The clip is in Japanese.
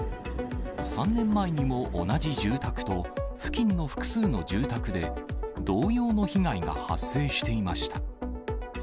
３年前にも同じ住宅と、付近の複数の住宅で同様の被害が発生していました。